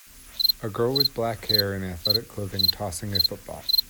A girl with black hair in athletic clothing tossing a football.